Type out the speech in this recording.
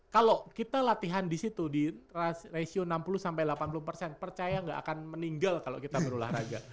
kalo kita latihan disitu di ratio enam puluh delapan puluh percaya gak akan meninggal kalo kita berolahraga